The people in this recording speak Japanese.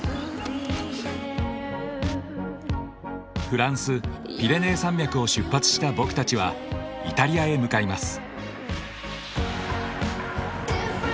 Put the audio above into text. フランスピレネー山脈を出発した僕たちはイタリアへ向かいます。